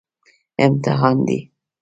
امتحان دی